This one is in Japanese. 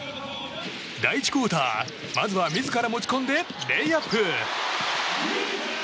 第１クオーター、まずは自ら持ち込んでレイアップ！